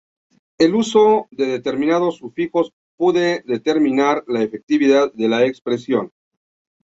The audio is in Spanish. El uso de determinados sufijos pude determinar la afectividad de la expresión.